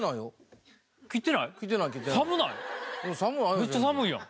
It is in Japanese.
めっちゃ寒いやん。